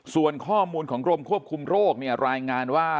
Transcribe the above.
ส่วนข้อมูลของกรมควบคุมโรคเนี่ยรายงานว่า